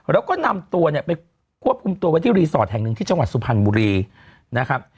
แล้วก็นำตัวเนี่ยไปควบคุมตัวไว้ที่รีสอร์ทแห่งหนึ่งที่จังหวัดสุพรรณบุรีนะครับ